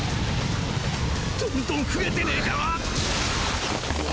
どんどん増えてねェかァ！？